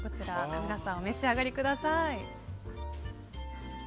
田村さん、お召し上がりください。